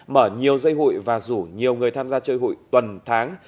mở nhiều dây hội và rủ nhiều người tham gia chơi hội tuần tháng